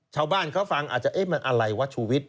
ชาวบ้านเขาฟังอาจจะเอ๊ะมันอะไรวะชูวิทย